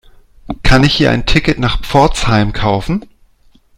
Kann ich hier ein Ticket nach Pforzheim kaufen?